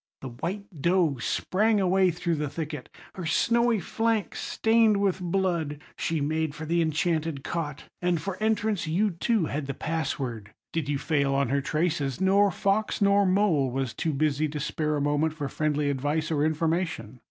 The white doe sprang away through the thicket, her snowy flank stained with blood; she made for the enchanted cot, and for entrance you too had the pass word. Did you fail on her traces, nor fox nor mole was too busy to spare a moment for friendly advice or information.